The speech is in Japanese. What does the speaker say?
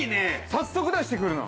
◆早速出してくるの。